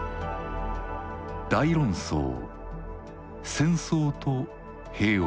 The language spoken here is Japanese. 「大論争戦争と平和」。